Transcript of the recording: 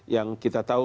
yang kita tahu